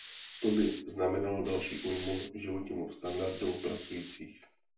To by znamenalo další újmu životnímu standardu pracujících.